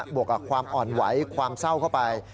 วกกับความอ่อนไหวความเศร้าเข้าไป